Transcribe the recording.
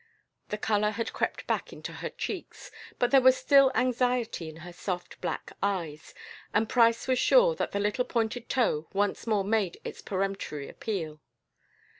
The color had crept back into her cheeks, but there was still anxiety in her soft black eyes, and Price was sure that the little pointed toe once more made its peremptory appeal.